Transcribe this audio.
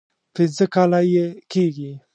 پنځه کاله یې کېږي.